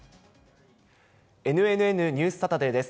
ＮＮＮニュースサタデーです。